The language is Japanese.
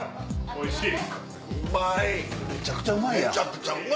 おいしい！